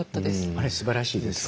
あれすばらしいですよね。